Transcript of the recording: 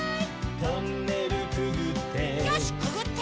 「トンネルくぐって」